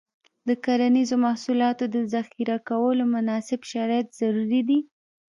د کرنیزو محصولاتو د ذخیره کولو مناسب شرایط ضروري دي.